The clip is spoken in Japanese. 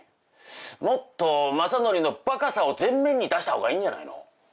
もっと雅紀のバカさを前面に出した方がいいんじゃないの？